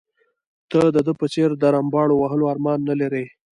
ته د ده په څېر د رمباړو وهلو ارمان نه لرې.